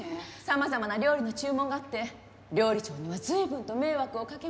様々な料理の注文があって料理長には随分と迷惑をかけましたから。